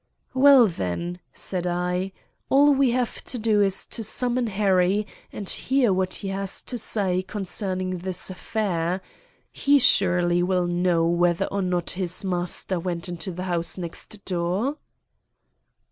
"Well, then," said I, "all we have to do is to summon Harry and hear what he has to say concerning this affair. He surely will know whether or not his master went into the house next door."